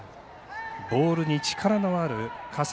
ボールに力のある葛西。